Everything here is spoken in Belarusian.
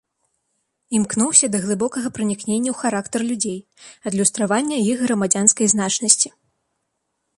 Імкнуўся да глыбокага пранікнення ў характар людзей, адлюстравання іх грамадзянскай значнасці.